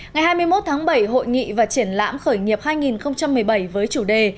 ngày hai mươi một tháng bảy hội nghị và triển lãm khởi nghiệp hai nghìn một mươi bảy với chủ đề